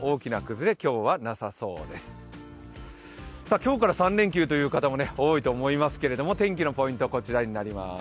今日から３連休という方も多いと思いますけれども天気のポイントはこちらになります。